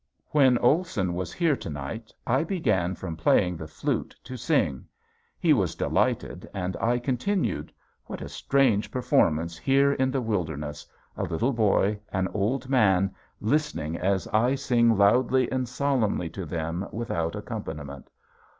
When Olson was here to night I began from playing the flute to sing. He was delighted and I continued. What a strange performance here in the wilderness, a little boy, an old man, listening as I sing loudly and solemnly to them without accompaniment.